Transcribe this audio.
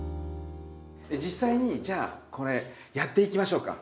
実際にじゃあこれやっていきましょうか。